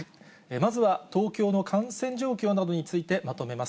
まずは東京の感染状況などについてまとめます。